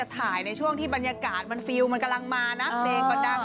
ขายในช่วงที่บรรยากาศมันกำลังมานักเด็กกระดัง